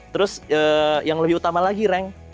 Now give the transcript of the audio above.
terus yang lebih utama lagi rank